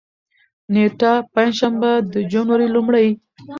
نېټه: پنجشنبه، د جنوري لومړۍ